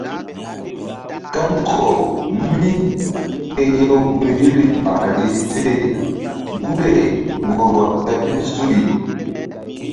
Kandɔkaw míke hew gun yeri ɓahri se guri-ay ŋgorwa ta ɓil suy.